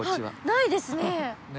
ないですね！